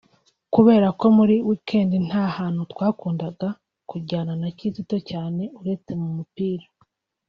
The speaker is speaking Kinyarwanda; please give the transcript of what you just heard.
Kubera ko muri weekend nta hantu twakundaga kujyana na Kizito cyane uretse mu mupira